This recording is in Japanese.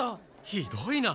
ひどいな。